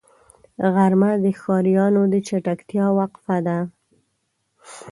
غرمه د ښاريانو د چټکتیا وقفه ده